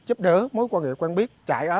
giúp đỡ mối quan hệ quen biết